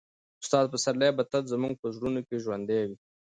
استاد پسرلی به تل زموږ په زړونو کې ژوندی وي.